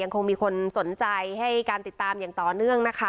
คงมีคนสนใจให้การติดตามอย่างต่อเนื่องนะคะ